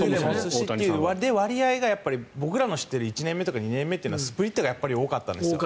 割合が僕らの知っている１年目とか２年目というのはスプリットが多かったんです。